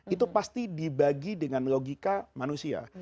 itu pasti dibagi dengan logika manusia